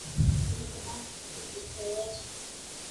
তুমি তোমার হাতে কি ধরে আছো?